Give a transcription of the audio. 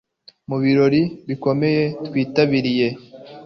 mu birori bikomeye twitabiriye